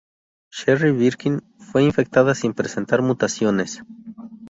Sherry Birkin fue infectada sin presentar mutaciones.